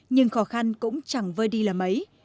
nhưng khó khăn cũng chẳng vơi đi là mấy